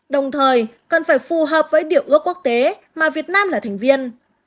đồng thời cần phải phù hợp với điều ước quốc tế mà việt nam là thành viên